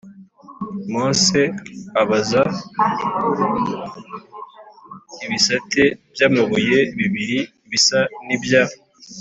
Mose ab za ibisate by amabuye bibiri bisa n ibya